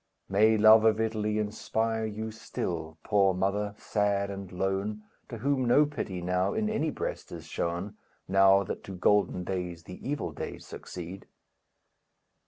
May love of Italy inspire you still, Poor mother, sad and lone, To whom no pity now In any breast is shown, Now, that to golden days the evil days succeed.